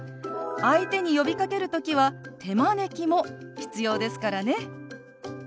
相手に呼びかける時は手招きも必要ですからね。